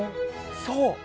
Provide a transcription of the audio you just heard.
そう！